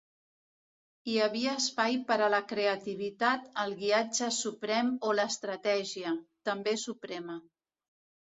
Hi havia espai per a la creativitat, el guiatge suprem o l'estratègia, també suprema.